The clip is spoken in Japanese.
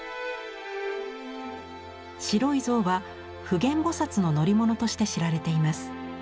白い象は普賢菩の乗り物として知られています。